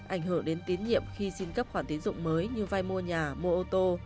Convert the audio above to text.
ảnh hưởng đến tín nhiệm khi xin cấp khoản tiến dụng mới như vay mua nhà mua ô tô